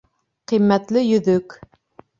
Ҡиммәтле йөҙөк.